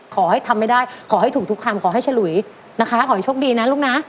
ขอให้ทำไม่ได้ขอให้ถูกทุกคำขอให้ฉลุยนะคะขอให้โชคดีนะลูกนะ